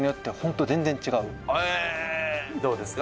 どうですか？